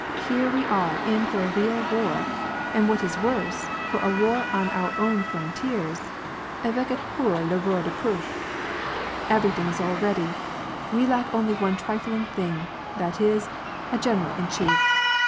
here we are in for a real war and what is worse, for a war on our own frontiers avec et potir le roi de PruBse I Everything is all ready; we lack only one trifling thing; that is, a eeneral in chief.